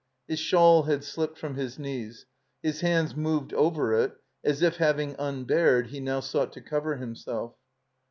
His shawl had slipped from his knees. His hands moved over it as if, having tmbared, he now sought to cover himself.